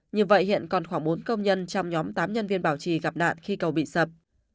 như vậy hiện còn khoảng bốn công nhân trong nhóm tám nhân viên bảo trì gặp nạn khi cầu bị sập